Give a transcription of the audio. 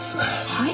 はい？